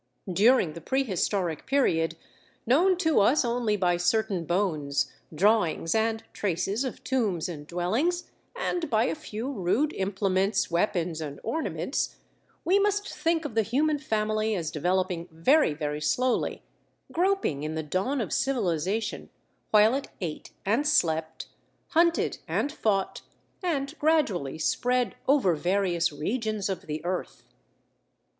During the prehistoric period, known to us only by certain bones, drawings, and traces of tombs and dwellings, and by a few rude implements, weapons, and ornaments, we must think of the human family as developing very, very slowly—groping in the dawn of civilization while it ate and slept, hunted, and fought, and, gradually spread over various regions of the earth.